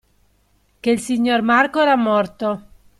Che il signor Marco era morto.